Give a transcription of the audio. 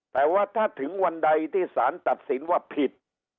แต่ว่าถ้าถึงวันใดที่สารตัดสินว่าผิด